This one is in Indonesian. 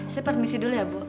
saya permisi dulu ya bu